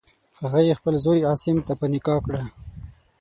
هغه یې خپل زوی عاصم ته په نکاح کړه.